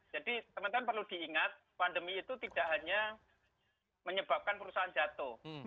jadi teman teman perlu diingat pandemi itu tidak hanya menyebabkan perusahaan jatuh